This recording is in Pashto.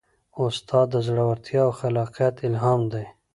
استاد د زړورتیا او خلاقیت الهام دی.